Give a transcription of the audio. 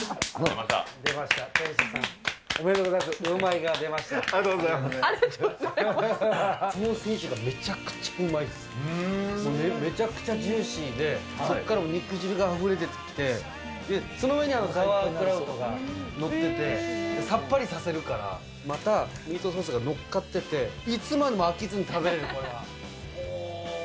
もうめちゃくちゃジューシーで、そこから肉汁があふれ出てきて、その上にザワークラウトが載ってて、さっぱりさせるから、またミートソースが載っかかってて、いつまでも飽きずに食べられる、これは。